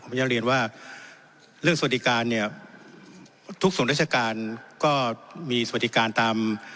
ผมอยากเรียนว่าเรื่องสวัสดิการเนี่ยทุกส่วนราชการก็มีสวัสดิการตาม